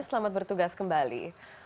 selamat bertugas kembali